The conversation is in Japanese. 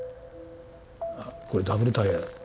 「あこれダブルタイヤだ」と。